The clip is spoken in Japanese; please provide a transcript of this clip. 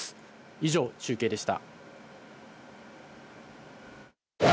以上、中継でした。